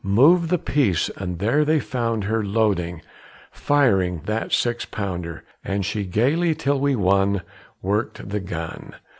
"Move the piece!" but there they found her loading, firing that six pounder, And she gayly, till we won, worked the gun.